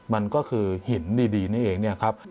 มันก็คือหินดีนี่เองเนี่ยครับ